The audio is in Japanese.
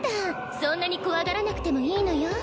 そんなに怖がらなくてもいいのよ。